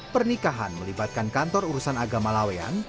pernikahan melibatkan kantor urusan agama laweyan